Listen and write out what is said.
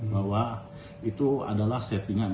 bahwa itu adalah settingan